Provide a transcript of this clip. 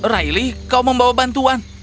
riley kau membawa bantuan